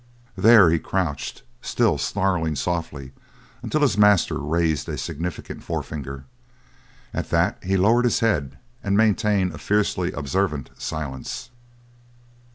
There he crouched, still snarling softly until his master raised a significant forefinger. At that he lowered his head and maintained a fiercely observant silence.